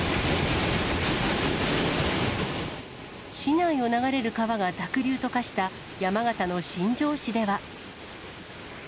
市内を流れる川が濁流と化した、山形の新庄市では。